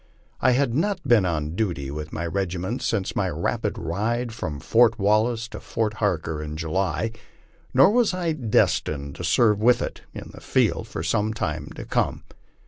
I had not been jn duty with my regiment since my rapid ride from Fort Wallace to Fort Ilaiv Ker in July, nor was I destined to serve with it in the field for some time to come.